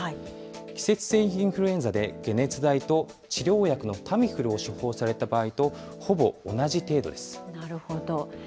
季節性インフルエンザで解熱剤と治療薬のタミフルを処方された場なるほど。